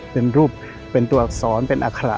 เป็นรูปเป็นตัวอักษรเป็นอัคระ